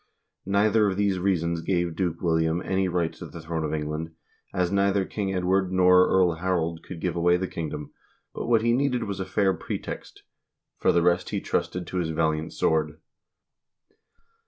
Neither of these reasons gave Duke William any right to the throne of England, as neither King Edward nor Earl Harold could give away the kingdom, but what he needed was a fair pretext; for the rest he trusted to his valiant sword.